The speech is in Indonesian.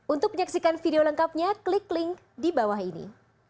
untuk menyaksikan video lengkapnya klik link di bawah ini